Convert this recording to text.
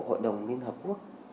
hội đồng liên hợp quốc